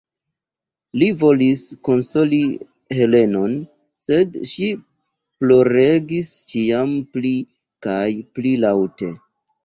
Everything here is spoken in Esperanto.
Li volis konsoli Helenon, sed ŝi ploregis ĉiam pli kaj pli laŭte.